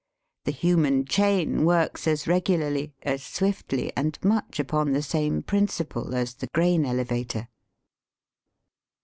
The human chain works as regularly, as swiftly, and much upon the same principle as the grain elevator.